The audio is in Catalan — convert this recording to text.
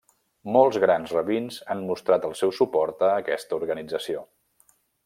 Molts grans rabins han mostrat el seu suport a aquesta organització.